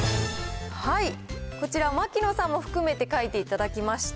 こちら、槙野さんも含めて書いていただきました。